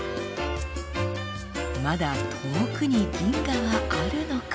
まだ遠くに銀河はあるのか？